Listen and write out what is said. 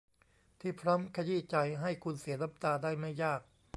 ที่พร้อมขยี้ใจให้คุณเสียน้ำตาได้ไม่ยาก